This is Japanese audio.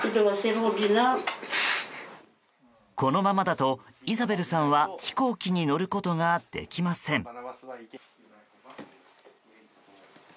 このままだとイザベルさんは飛行機に乗ることができません。